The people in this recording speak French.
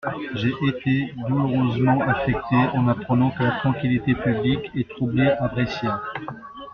J'ai été douloureusement affecté en apprenant que la tranquillité publique est troublée à Brescia.